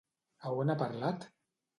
A on ha parlat?